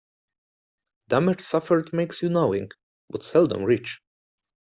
Damage suffered makes you knowing, but seldom rich.